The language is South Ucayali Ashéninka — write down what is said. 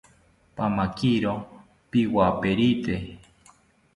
Pamakiro piwaperite